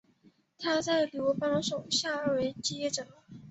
他在刘邦手下为谒者。